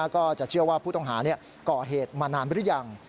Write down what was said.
ก็จะเชื่อว่าผู้ต้องหาก่อเหตุมานานหรือยัง